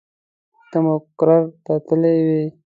ته مقر ته تللې وې.